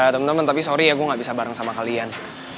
teman teman tapi sorry ya gue gak bisa bareng sama kalian